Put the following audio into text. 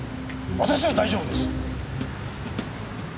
私は大丈夫です。